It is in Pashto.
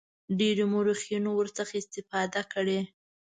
ډیرو مورخینو ورڅخه استفاده کړې.